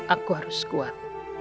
aku harus kuat